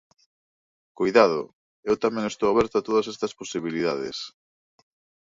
¡Coidado!, eu tamén estou aberto a todas estas posibilidades.